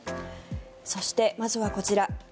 そして、まずはこちら。